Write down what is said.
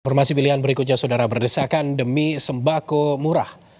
informasi pilihan berikutnya saudara berdesakan demi sembako murah